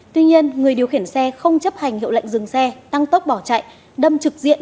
tuy nhiên người điều khiển xe không chấp hành hiệu lệnh dừng xe tăng tốc bỏ chạy đâm trực diện